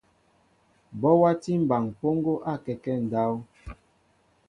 Bɔ watí mɓaŋ mpoŋgo akɛkέ ndáw.